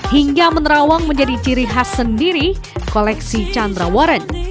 hingga menerawang menjadi ciri khas sendiri koleksi chandra waren